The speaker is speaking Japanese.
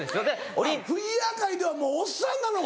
あっフィギュア界ではもうおっさんなのか。